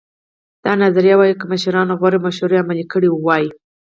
دا نظریه وایي که مشرانو غوره مشورې عملي کړې وای.